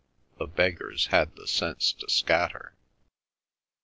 The beggars had the sense to scatter."